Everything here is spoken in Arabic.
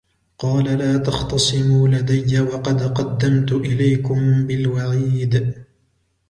قال لا تختصموا لدي وقد قدمت إليكم بالوعيد